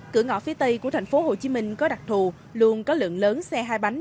cửa ngõ phía tây của thành phố hồ chí minh có đặc thù luôn có lượng lớn xe hai bánh